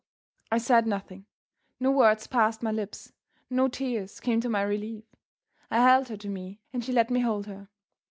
I said nothing. No words passed my lips, no tears came to my relief. I held her to me; and she let me hold her.